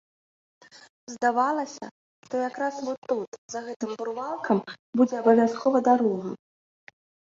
Здавалася, што якраз во тут, за гэтым бурвалкам, будзе абавязкова дарога.